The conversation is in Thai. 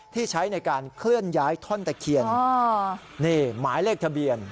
ที่ใช้ในการเคลื่อนย้ายท่อนตะเคียนนี่หมายเลขทะเบียน